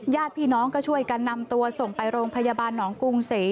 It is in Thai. ญาติพี่น้องก็ช่วยกันนำตัวส่งไปโรงพยาบาลหนองกรุงเส